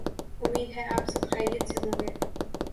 امید ہے کہ آپ سب خیریت سے ہوں گے۔